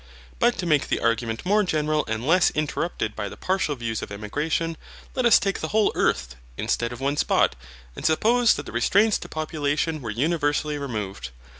But to make the argument more general and less interrupted by the partial views of emigration, let us take the whole earth, instead of one spot, and suppose that the restraints to population were universally removed.